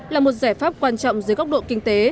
là một giải pháp quan trọng dưới góc độ kinh tế